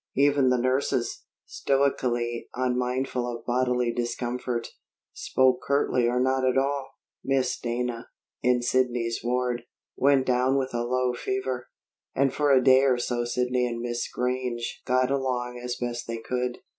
Even the nurses, stoically unmindful of bodily discomfort, spoke curtly or not at all. Miss Dana, in Sidney's ward, went down with a low fever, and for a day or so Sidney and Miss Grange got along as best they could.